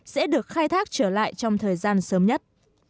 sẽ được khai thác trở lại trong thời gian sớm nhất